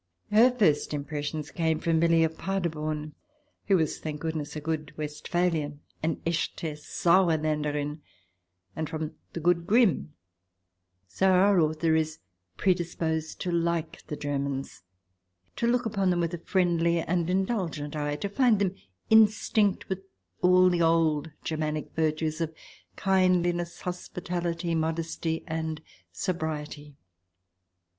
Her first impressions came from Milly of Paderborn, who was, thank goodness, a good Westphalian, an echte Saeurlaenderin — and from the good Grimm ! So our author is predis posed to like the Germans, to look upon them with a friendly and indulgent eye, to find them instinct with all the old Germanic virtues of kindliness, hospitality, modesty, and sobriety.